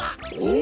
お！